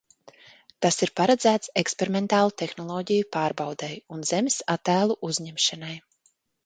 Tas ir paredzēts eksperimentālu tehnoloģiju pārbaudei un Zemes attēlu uzņemšanai.